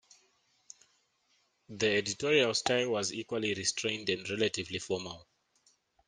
The editorial style was equally restrained and relatively formal.